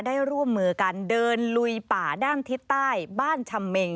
ได้ร่วมมือกันเดินลุยป่าด้านทิศใต้บ้านชำเมง